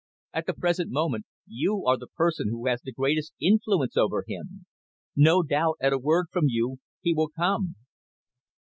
At the present moment, you are the person who has the greatest influence over him. No doubt, at a word from you he will come."